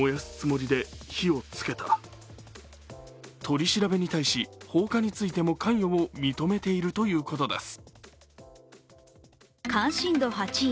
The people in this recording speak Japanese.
取り調べに対し、放火についても関与を認めているということです。